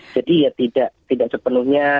jadi ya tidak sepenuhnya